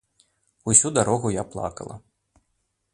Усю дарогу я плакала.